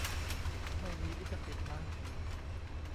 ไม่มีลิขสิทธิ์นะ